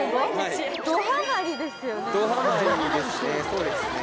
どハマりですね